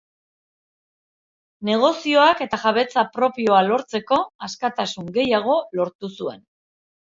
Negozioak eta jabetza propioa lortzeko askatasun gehiago lortu zuen.